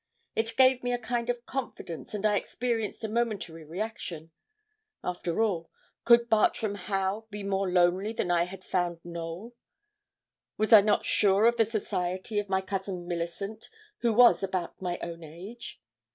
It gave me a kind of confidence; and I experienced a momentary reaction. After all, could Bartram Haugh be more lonely than I had found Knowl? Was I not sure of the society of my Cousin Millicent, who was about my own age?